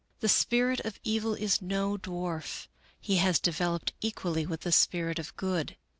The Spirit of Evil is no dwarf ; he has developed equally with the Spirit of Good.